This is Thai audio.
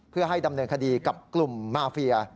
เพื่อให้ดำเนินคดีกับกลุ่มมาเฟีย